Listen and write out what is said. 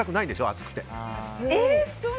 暑くて。